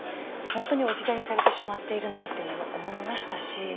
本当に置き去りにされてしまっているなというのも思いましたし。